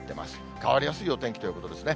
変わりやすいお天気ということですね。